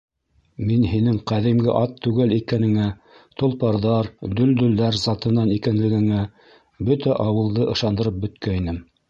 Мин һинең ҡәҙимге ат түгел икәнеңә, толпарҙар, дөлдөлдәр затынан икәнлегеңә бөтә ауылды ышандырып бөткәйнем.